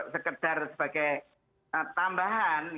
sekedar sebagai tambahan